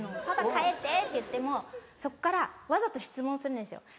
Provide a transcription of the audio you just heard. パパ替えてって言ってもそこからわざと質問するんですよ。